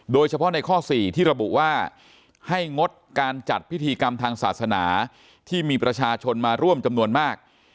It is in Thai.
โดยเฉพาะในข้อ๔ที่ระบุว่าให้งดการจัดพิธีกรรมทางศาสนาที่มีประชาชนมาร่วมจำนวนมาก